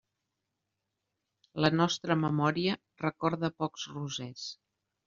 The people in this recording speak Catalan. La nostra memòria recorda pocs rosers.